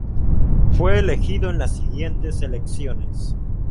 Fue elegido en las siguientes elecciones.